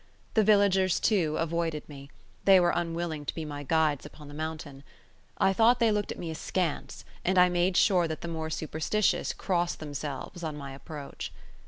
The villagers, too, avoided me; they were unwilling to be my guides upon the mountain. I thought they looked at me askance, and I made sure that the more superstitious crossed themselves on my approach.